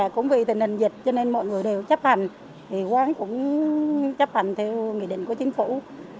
cũng vì tình hình dịch cho nên mọi người đều chấp hành thì quán cũng chấp hành theo nghị định của chính phủ